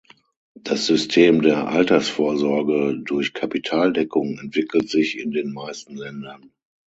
Das System der Altersvorsorge durch Kapitaldeckung entwickelt sich in den meisten Ländern.